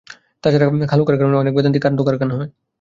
তা ছাড়া কালু খাঁর কারণে অনেক বেদান্তী কাণ্ডকারখানা হয়।